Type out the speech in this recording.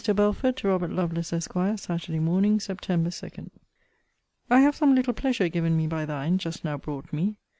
BELFORD, TO ROBERT LOVELACE, ESQ. SAT. MORNING, SEPT. 2. I have some little pleasure given me by thine, just now brought me.